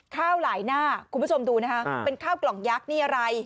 ข้าวหลายหน้าคุณผู้ชมดูนะคะเป็นข้าวกล่องยักษ์นี่อะไร